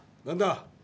何だ？